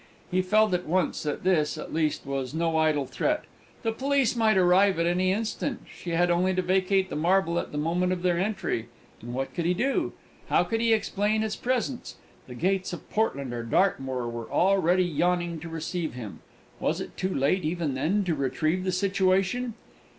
He felt at once that this, at least, was no idle threat. The police might arrive at any instant; she had only to vacate the marble at the moment of their entry and what could he do? How could he explain its presence? The gates of Portland or Dartmoor were already yawning to receive him! Was it too late, even then, to retrieve the situation?